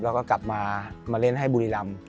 แล้วก็กลับมามาเล่นให้บุรีรำ